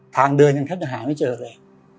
ทางเดินแค่จะหาไม่เจอเลย